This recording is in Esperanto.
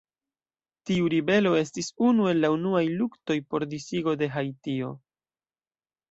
Tiu ribelo estis unu el la unuaj luktoj por disigo de Haitio.